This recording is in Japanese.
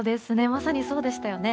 まさにそうでしたよね。